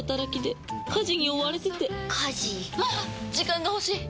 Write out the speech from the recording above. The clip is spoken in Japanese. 時間が欲しい！